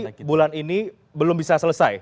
dan berarti bulan ini belum bisa selesai